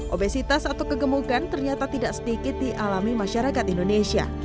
obesitas atau kegemukan ternyata tidak sedikit dialami masyarakat indonesia